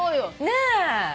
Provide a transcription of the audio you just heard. ねえ。